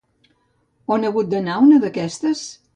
On ha hagut d'anar una d'aquestes?